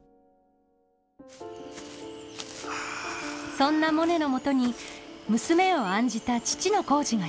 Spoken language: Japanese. そんなモネのもとに娘を案じた父の耕治がやって来ます。